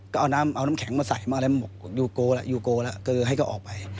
ก็อ้าน้ำเอาน้ำแข็งมาใส่ม๊ะเรยลมมึกยูโกแล้วยูโกแล้วก็ไฮก็ออกไป